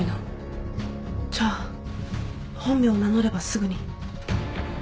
じゃあ本名を名乗ればすぐに。